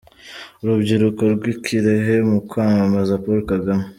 Urubyiruko rw'i Kirehe mu kwamamaza Paul Kagame.